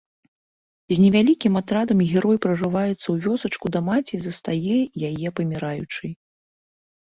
З невялікім атрадам герой прарываецца ў вёсачку да маці і застае яе паміраючай.